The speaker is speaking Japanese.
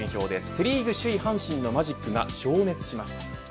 セ・リーグ首位阪神のマジックが消滅しました。